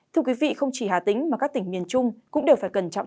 thưa quý vị không chỉ hà tĩnh mà các tỉnh miền trung cũng đều phải cẩn trọng